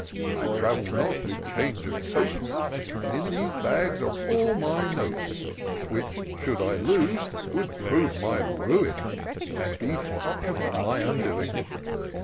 I travel not with change of coats. But in these bags are all my notes, Which, should I lose, would prove my ruin, And be for ever my undoing."